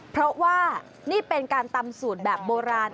เพราะว่านี่เป็นการตำสูตรแบบโบราณ